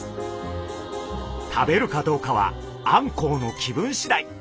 食べるかどうかはあんこうの気分しだい。